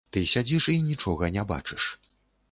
Ты сядзіш і нічога не бачыш.